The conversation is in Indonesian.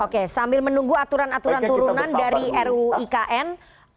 oke sambil menunggu aturan aturan turunan dari ruu ikn